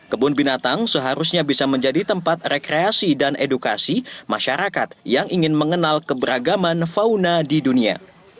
kebun binatang seharusnya bisa menjadi tempat rekreasi dan edukasi masyarakat yang ingin mengenal keberagaman fauna di dunia